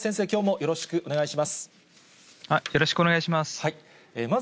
よろしくお願いします。